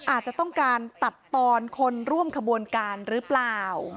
อาจจะต้องการตัดตอนคนร่วมขบวนการหรือเปล่า